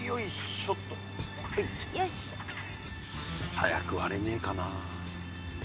早く割れねえかな？